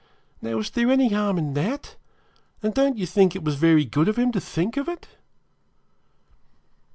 Now, was there any harm in that; and don't you think it was very good of him to think of it?'